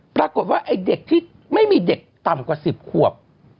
ปรากฏว่าไอ้เด็กที่ไม่มีเด็กต่ำกว่า๑๐ขวบ